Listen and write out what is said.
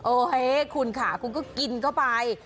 โอเคคุณขาคุณก็กิ้นก็ไป